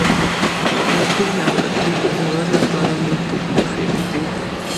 مالټې د پښتورګو لپاره مفیدې دي.